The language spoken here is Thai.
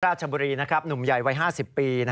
ราชบุรีนะครับหนุ่มใหญ่วัย๕๐ปี